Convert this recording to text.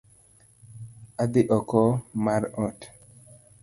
Adhi oko mar ot